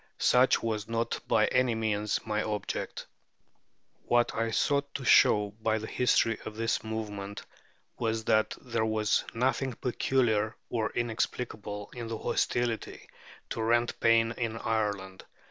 Such was not by any means my object. What I sought to show by the history of this movement was that there was nothing peculiar or inexplicable in the hostility to rent paying in Ireland.